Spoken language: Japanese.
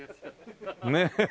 ねえ。